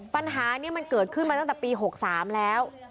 ปัญหานี้มันเกิดขึ้นมาตั้งแต่ปี๖๓แล้ว